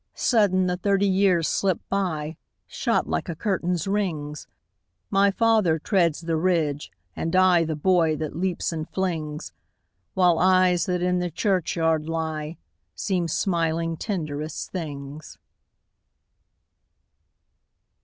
Sudden, the thirty years slip by, Shot like a curtain's rings ! My father treads the ridge, and I The boy that leaps and flings, While eyes that in the churchyard lie Seem smiling tenderest things.